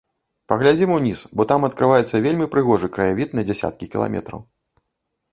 Паглядзім уніз, бо там адкрываецца вельмі прыгожы краявід на дзесяткі кіламетраў.